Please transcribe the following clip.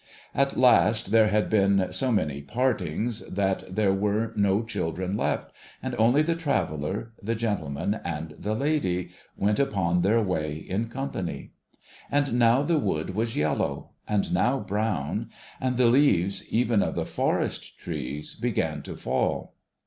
At last, there had been so many partings that there were no children left, and only the traveller, the gentleman, and the lady, went upon their way in company. And now the wood was yellow ; and now brown ; and the leaves, even of the forest trees, began to fall.